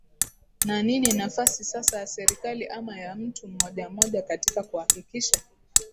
na nini nafasi sasa ya serikali ama ya mtu mmoja mmoja katika kuhakikisha